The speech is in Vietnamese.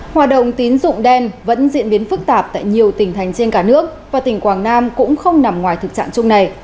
hoạt động tín dụng đen vẫn diễn biến phức tạp tại nhiều tỉnh thành trên cả nước và tỉnh quảng nam cũng không nằm ngoài thực trạng chung này